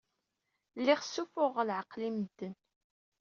Lliɣ ssuffuɣeɣ leɛqel i medden.